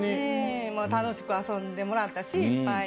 楽しく遊んでもらったしいっぱい。